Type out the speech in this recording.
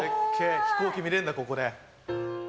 飛行機見れるんだ、ここで。